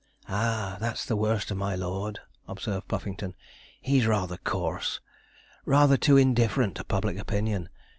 'Ah, that's the worst of my lord,' observed Puffington; 'he's rather coarse rather too indifferent to public opinion.